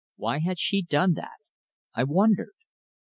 Why had she done that? I wondered.